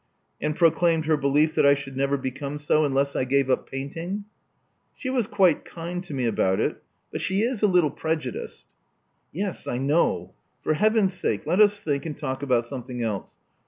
"And proclaimed her belief that I should never become so unless I gave up painting?" •*She was quite kind to me about it. But she is a little prejudiced " *'Yes, I know. For heaven's sake let us think and talk about something else.